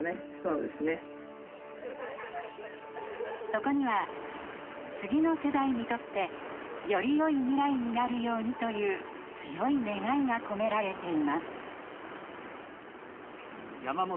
そこには次の世代にとってよりよい未来になるようにという強い願いが込められています。